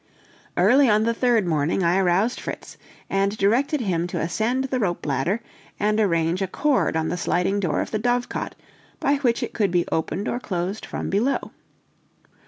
Early on the third morning I aroused Fritz, and directed him to ascend the rope ladder, and arrange a cord on the sliding door of the dovecot, by which it could be opened or closed from below.